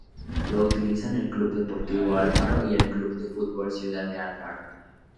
Lo utilizan el Club Deportivo Alfaro y el Club de Fútbol Ciudad de Alfaro.